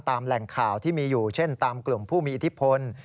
แหล่งข่าวที่มีอยู่เช่นตามกลุ่มผู้มีอิทธิพล